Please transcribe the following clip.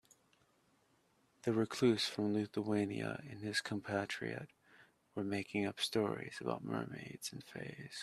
The recluse from Lithuania and his compatriot were making up stories about mermaids and fays.